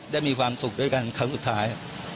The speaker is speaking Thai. มีความสุขด้วยกันครั้งสุดท้าย